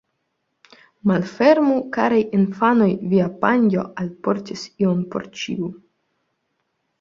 Malfermu, karaj infanoj, via panjo alportis ion por ĉiu.